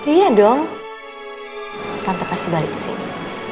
iya dong kantor pasti balik ke sini